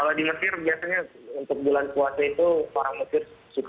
kalau di mesir biasanya untuk bulan puasa itu orang mesir suka